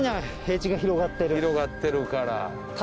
広がってるから。